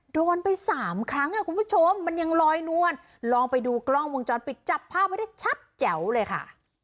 โดนไปสามครั้งอ่ะคุณผู้ชมมันยังลอยนวลลองไปดูกล้องวงจรปิดจับภาพไว้ได้ชัดแจ๋วเลยค่ะ